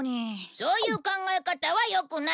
そういう考え方はよくない！